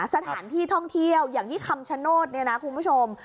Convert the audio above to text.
สถานที่ท่องเที่ยวอย่างที่คำชโนธเนี่ยนะคุณผู้ชม